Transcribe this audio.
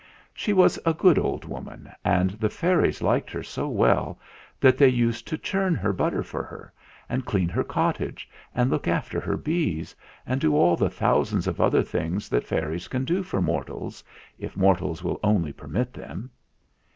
She was a good old woman, and the fairies liked her so well that they used to churn her butter for her, and clean her cottage, and look after her bees, and do all the thousand other things that fairies can do for mortals, if mortals will only permit them.